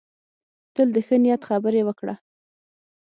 تل د ښه نیت خبرې وکړه.